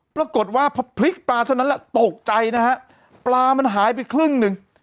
ปรากฏว่าพอพลิกปลาเท่านั้นแหละตกใจนะฮะปลามันหายไปครึ่งหนึ่ง